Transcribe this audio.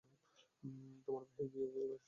তোমার ভাইয়ের বিয়েও এই বয়সে হয়েছে।